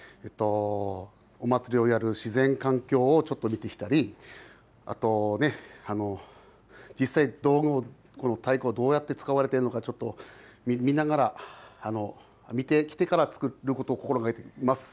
胴の中の削り方を変えたり、お祭りをやる自然環境をちょっと見てきたり、あとね、実際、この太鼓がどうやって使われているのか、ちょっと見ながら、見てきてから作ることを心がけています。